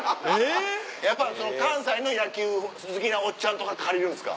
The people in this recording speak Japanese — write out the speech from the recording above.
やっぱ関西の野球好きなおっちゃんとか借りるんですか？